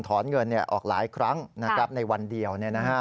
ถอนเงินออกหลายครั้งในวันเดียว